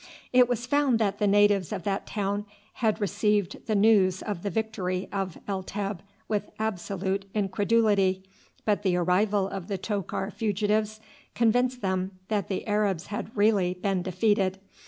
It was found that the natives of that town had received the news of the victory of El Teb with absolute incredulity, but the arrival of the Tokar fugitives convinced them that the Arabs had really been defeated.